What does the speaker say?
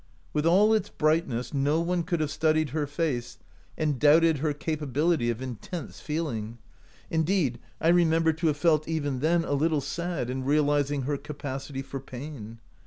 With all its brightness, no one could have studied her face and doubted her capability of in tense feeling. Indeed, I remember to have felt even then a little sad in realizing her capacity for pain.